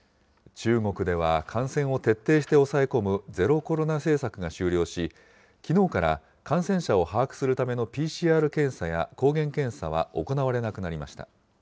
中国では感染を徹底して抑え込むゼロコロナ政策が終了し、きのうから感染者を把握するためのＰＣＲ検査や抗原検査は行われなくなりました。